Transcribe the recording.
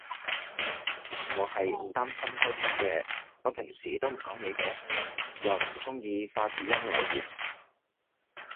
我係唔擔心偷聼嘅，我平時都唔講嘢嘅。又唔中意發語音留言